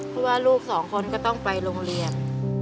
เพราะว่าลูกสองคนก็ต้องไปโรงเรียน